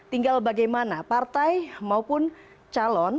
tinggal bagaimana partai maupun calon